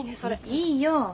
いいよ。